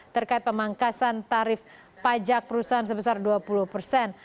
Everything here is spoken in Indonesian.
terkait pemangkasan tarif pajak perusahaan sebesar dua puluh persen